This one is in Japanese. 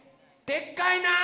でっかいなあ！